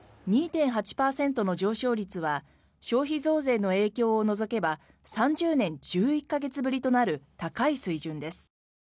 ２．８％の上昇率は消費増税の影響を除けば３０年１１か月ぶりとなる高い水準です。